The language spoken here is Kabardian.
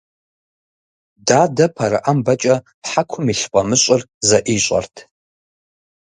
Дадэ пэрыӏэмбэкӏэ хьэкум илъ фӏамыщӏыр зэӏищӏэрт.